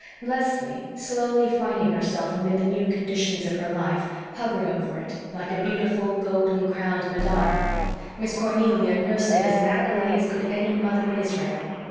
Leslie, slowly finding herself amid the new conditions of her life, hovered over it, like a beautiful, golden crowned Madonna. Miss Cornelia nursed it as knackily as could any mother in Israel.